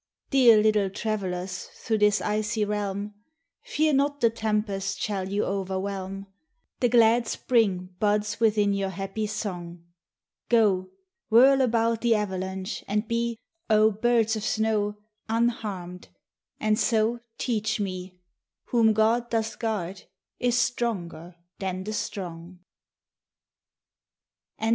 Dear little travelers through this icy realm, Fear not the tempest shall you overwhelm; The glad spring buds within your happy song. Go, whirl about the avalanche, and be, O birds of snow, unharmed, and so teach me: Whom God doth guard is stronger than the strong. _C. G.